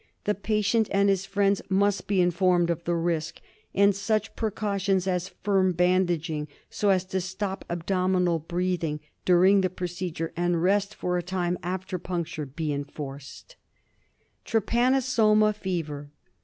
The patient and his friends must be informed of the risk, and such precautions as firm bandaging, so as to stop abdominal breathing dur ing puncture, and rest for a time after puncture be enforced, Trypanosoma Fever.